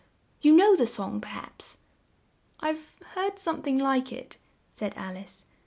You know the song, per haps?" "I've heard some thing like it," said Alice.